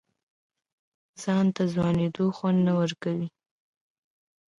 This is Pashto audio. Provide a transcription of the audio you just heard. ځان ته ځوانېدو خوند نه ورکوه.